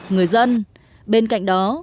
người dân bên cạnh đó